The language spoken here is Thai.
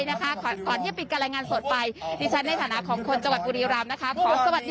ก่อนที่จะปิดกรรายงานสดไป